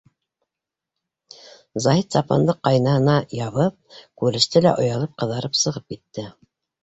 Заһит сапанды ҡайныһына ябып күреште лә, оялып ҡыҙарып сығып китте.